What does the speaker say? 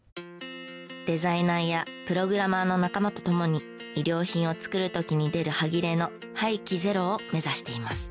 デザイナーやプログラマーの仲間と共に衣料品を作る時に出る端切れの廃棄ゼロを目指しています。